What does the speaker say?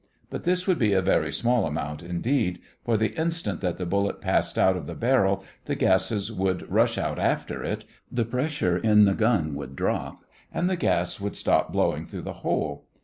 But this would be a very small amount indeed, for the instant that the bullet passed out of the barrel the gases would rush out after it, the pressure in the gun would drop, and the gas would stop blowing through the hole.